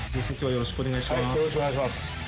よろしくお願いします。